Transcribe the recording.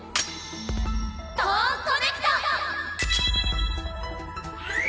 トーンコネクト！